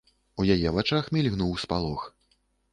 У яе вачах мільгнуў спалох.